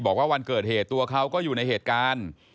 บอกว่าวันเกิดเหตุตัวเขาก็อยู่ในเหตุการณ์